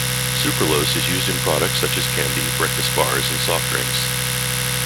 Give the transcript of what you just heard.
Sucralose is used in products such as candy, breakfast bars and soft drinks.